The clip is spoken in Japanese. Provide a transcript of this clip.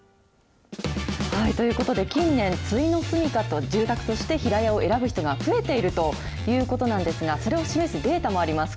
ということで、近年、ついの住みかの住宅として、平屋を選ぶ人が増えているということなんですが、それを示すデータがあります。